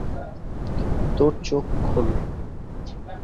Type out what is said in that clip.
তোর চোখ খোল!